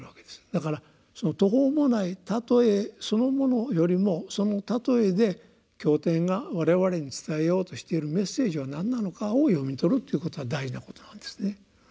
だからその途方もない例えそのものよりもその例えで経典が我々に伝えようとしているメッセージは何なのかを読み取るっていうことは大事なことなんですね。